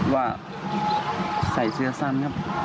ว่าใส่เสื้อสรรนับ